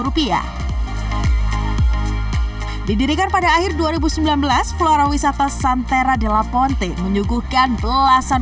rupiah didirikan pada akhir dua ribu sembilan belas flora wisata santera di laponte menyuguhkan belasan